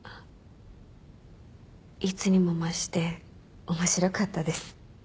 いつにも増して面白かったです。